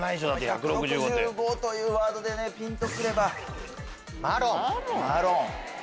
１６５というワードでピンとくれば。